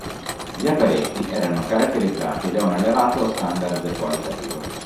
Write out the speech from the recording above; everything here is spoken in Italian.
Gli apparecchi erano caratterizzati da un elevato standard qualitativo.